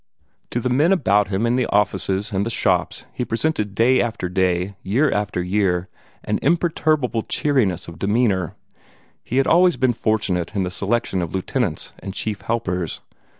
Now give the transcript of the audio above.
To the men about him in the offices and the shops he presented day after day, year after year, an imperturbable cheeriness of demeanor. He had been always fortunate in the selection of lieutenants and chief helpers.